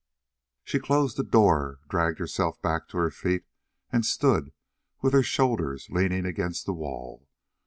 She closed the door, dragged herself back to her feet, and stood with her shoulders leaning against the wall.